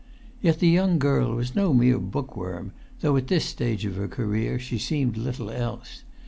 Yet the young girl was no mere bookworm, though at this stage of her career she seemed little else.